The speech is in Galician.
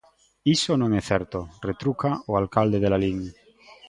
"Iso non é certo", retruca o alcalde de Lalín.